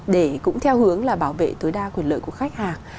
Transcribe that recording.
để cũng theo hướng là bảo vệ tối đa quyền lợi của khách hàng